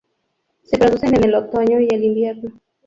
Se producen en el otoño y el invierno.